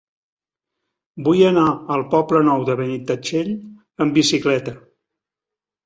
Vull anar al Poble Nou de Benitatxell amb bicicleta.